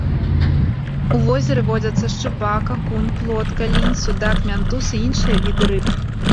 У возеры водзяцца шчупак, акунь, плотка, лінь, судак, мянтуз і іншыя віды рыб.